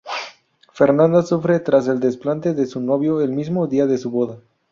Fernanda sufre tras el desplante de su novio el mismo día de su boda.